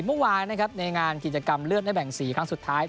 เมื่อวานในงานกิจกรรมเลือดให้แบ่ง๔ครั้งทำสุดท้าย